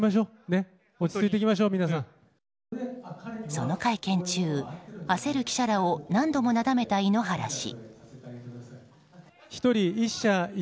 その会見中、焦る記者らを何度もなだめた井ノ原氏。